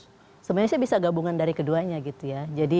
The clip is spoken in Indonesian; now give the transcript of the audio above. sebenarnya saya bisa gabungan dari keduanya gitu ya